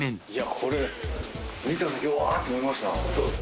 これ見た時うわって思いました。